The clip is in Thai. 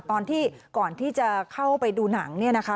ตอนที่ก่อนที่จะเข้าไปดูหนังเนี่ยนะคะ